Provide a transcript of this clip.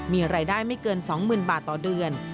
มีรายได้ไม่เกิน๒๐๐๐บาทต่อเดือน